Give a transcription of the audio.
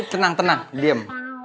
tenang tenang diam